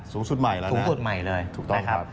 สูงสุดใหม่แล้วนะครับถูกต้องครับสูงสุดใหม่เลย